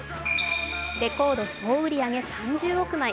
レコード総売上３０億枚。